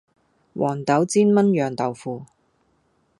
黃豆煎燜釀豆腐